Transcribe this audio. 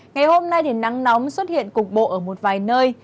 ngày hôm nay thì nắng nóng xuất hiện cục bộ ở một vài nơi